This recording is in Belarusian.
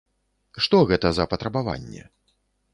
Што гэта за патрабаванне?